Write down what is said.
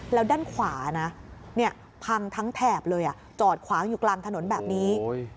แล้วด้านขวานะพังทั้งแถบเลยจอดขวางอยู่กลางถนนแบบนี้